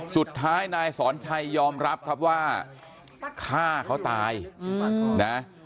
สุดท้ายนายสอนชัยยอมรับครับว่าฆ่าเขาตายนะ